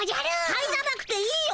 入らなくていいよ。